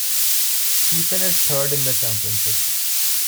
He finished third in the championship.